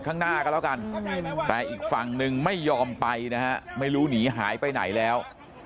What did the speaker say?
ข้างหน้าก็แล้วกันแต่อีกฝั่งหนึ่งไม่ยอมไปนะฮะไม่รู้หนีหายไปไหนแล้ว